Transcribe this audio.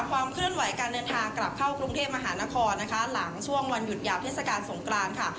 ความเคลื่อนไหวการเดินทางกลับเข้ากรุงเทพมหานครนะคะหลังช่วงวันหยุดยาวเทศกาลสงกรานค่ะ